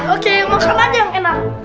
oke masukkan aja yang enak